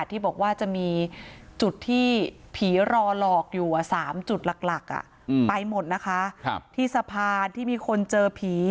ที่บอกว่าจะมีจุดที่ผีรอหลอกอยู่๓จุดหลักไปหมดนะคะที่สะพานที่มีคนเจอผี